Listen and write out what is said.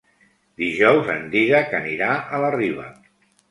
Dijous en Dídac anirà a la Riba.